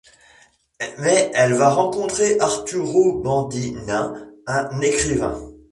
Mais elle va rencontrer Arturo Bandinin, un écrivain...